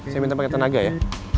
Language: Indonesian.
saya minta pakai tenaga ya